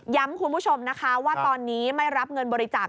คุณผู้ชมนะคะว่าตอนนี้ไม่รับเงินบริจาค